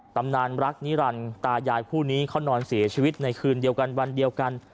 ตำนานรักนิรันดิ์ตายายคู่นี้เขานอนเสียชีวิตในคืนเดียวกันวันเดียวกัน